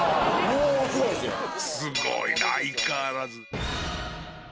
すごいな相変わらず。